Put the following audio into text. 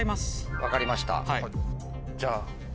分かりました。